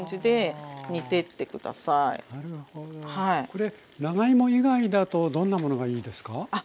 これ長芋以外だとどんなものがいいですか？